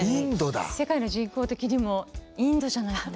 世界の人口的にもインドじゃないかな？